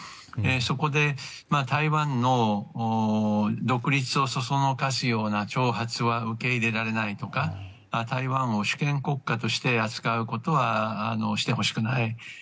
そこで、台湾の独立をそそのかすような挑発は受け入れられないとか台湾を主権国家として扱うことはしてほしくない。